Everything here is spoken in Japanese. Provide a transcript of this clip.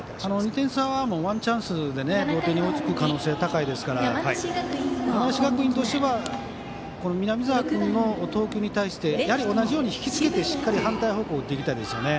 ２点差はワンチャンスで同点に追いつく可能性が高いので山梨学院としては南澤君の投球に対して同じように引き付けてしっかり反対方向に打ちたいです。